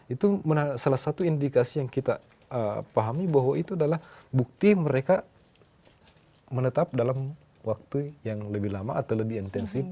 itu salah satu indikasi yang kita pahami bahwa itu adalah bukti mereka menetap dalam waktu yang lebih lama atau lebih intensif